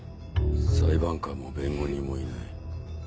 「裁判官も弁護人もいない。